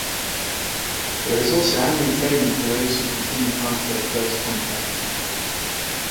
There is also annual training for those who continue past their first contract.